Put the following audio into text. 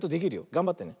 がんばってね。